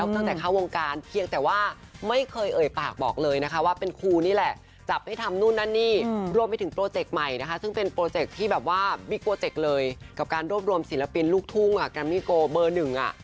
ที่แบบว่ามิกัวเจกเลยโรบรวมศิลปินลูกทุ่งกรรมิโกะเบอร์หนึ่ง